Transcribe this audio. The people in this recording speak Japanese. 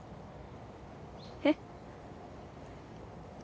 えっ。